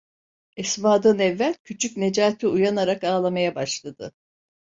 Esma'dan evvel küçük Necati uyanarak ağlamaya başladı.